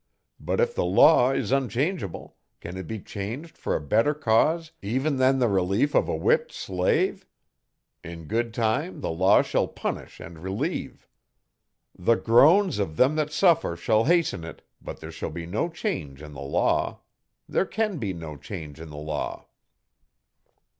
But if the law is unchangeable, can it be changed for a better cause even than the relief of a whipped slave? In good time the law shall punish and relieve. The groans of them that suffer shall hasten it, but there shall be no change in the law. There can be no change in the law.'